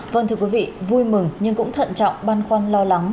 vâng thưa quý vị vui mừng nhưng cũng thận trọng băn khoăn lo lắng